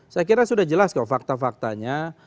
saya kira sudah jelas kok fakta faktanya